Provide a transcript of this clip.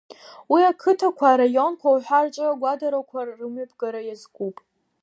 Уи ақыҭақәа, араионқәа уҳәа рҿы агәаҭарақәа рымҩаԥгара иазкуп.